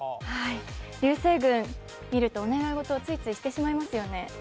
流星群を見ると、お願い事をついついしてしまいますよね。